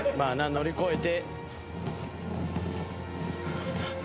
乗り越えて」